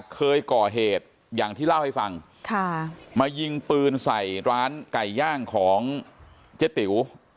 เคยก่อเหตุอย่างที่เล่าให้ฟังค่ะมายิงปืนใส่ร้านไก่ย่างของเจ๊ติ๋ว